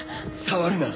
触るな！